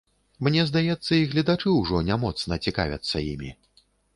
Мне здаецца, і гледачы ўжо не моцна цікавяцца імі.